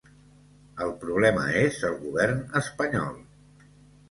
El problema és el govern espanyol.